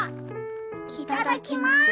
いただきます。